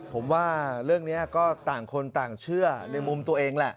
ผมว่าเรื่องนี้ก็ต่างคนต่างเชื่อในมุมตัวเองแหละ